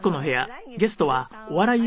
はい。